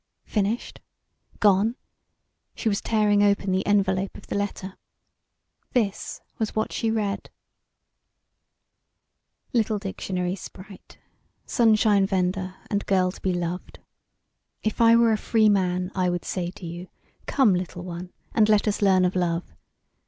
Finished? Gone? She was tearing open the envelope of the letter. This was what she read: "Little dictionary sprite, sunshine vender, and girl to be loved, if I were a free man I would say to you Come, little one, and let us learn of love.